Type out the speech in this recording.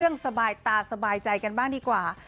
สบายตาสบายใจกันบ้างดีกว่า